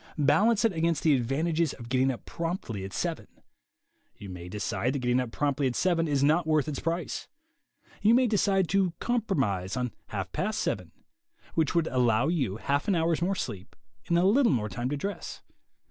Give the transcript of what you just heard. Balance it against the advantages of getting up promptly at seven. You may decide that getting up promptly at seven is not worth its price. You may decide to compromise on half past seven, which would allow you half an hour's more sleep and a little more time to dress.